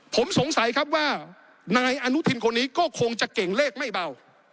ผมสงสัยครับว่านายอนุทินคนนี้ก็คงจะเก่งเลขไม่เบา